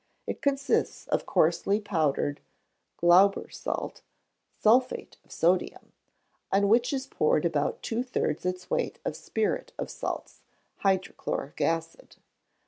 It consists of coarsely powdered Glauber salt (sulphate of sodium), on which is poured about two thirds its weight of spirit of salts (hydrochloric acid).